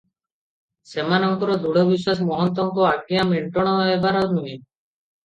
ସେମାନଙ୍କର ଦୃଢ ବିଶ୍ୱାସ, ମହନ୍ତଙ୍କ ଆଜ୍ଞା ମେଣ୍ଟଣ ହେବାର ନୁହେଁ ।